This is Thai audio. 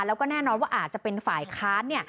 แล้วก็แน่นอนว่าอาจจะเป็นฝ่ายค้าน